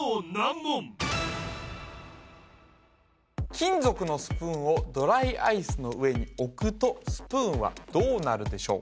金属のスプーンをドライアイスの上に置くとスプーンはどうなるでしょう